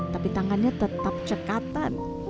tapi tangannya tetap cekatan